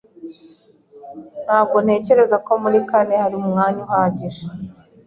Ntabwo ntekereza ko muri kanoe hari umwanya uhagije.